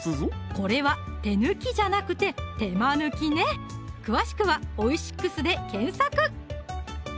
これは手抜きじゃなくて手間抜きね詳しくは「オイシックス」で検索